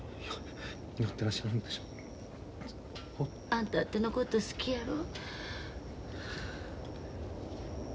あんたあてのこと好きやろ？